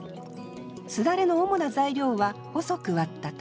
簾の主な材料は細く割った竹。